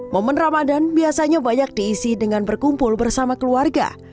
momen ramadan biasanya banyak diisi dengan berkumpul bersama keluarga